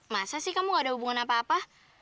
masa sih kamu gak ada hubungan apa apa